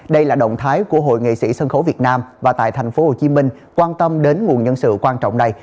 đây là động thái của hội nghệ sĩ sân khấu việt nam và tại tp hcm quan tâm đến nguồn nhân sự quan trọng này